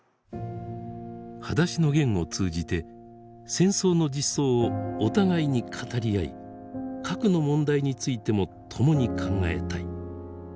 「はだしのゲン」を通じて戦争の実相をお互いに語り合い核の問題についても共に考えたい。